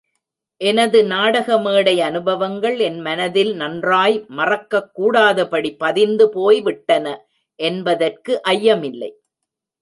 எனது நாடக மேடை அனுபவங்கள் என் மனத்தில் நன்றாய் மறக்கக் கூடாதபடி பதிந்து போய்விட்டன என்பதற்கு ஐயமில்லை.